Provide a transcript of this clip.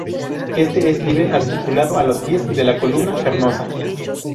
Este es libre, articulado a los pies de la columna, carnosa.